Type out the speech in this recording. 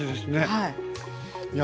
はい。